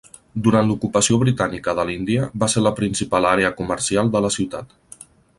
Durant l'ocupació britànica de l'Índia, va ser la principal àrea comercial de la ciutat.